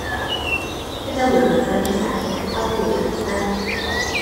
Meddyliwn fod fy nghyfaill yn gystal dyn â chithau.